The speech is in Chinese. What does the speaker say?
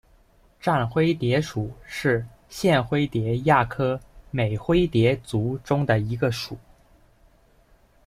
绽灰蝶属是线灰蝶亚科美灰蝶族中的一个属。